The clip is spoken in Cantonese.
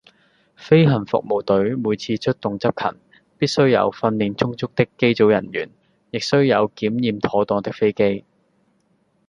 飛行服務隊每次出動執勤，必須有訓練充足的機組人員，亦須有檢驗妥當的飛機。